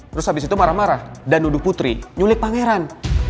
terus habis itu marah marah dan nuduh putri nyulit pangeran